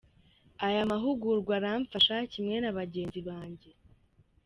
Aya mahugurwa aramfasha kimwe na bagenzi banjye.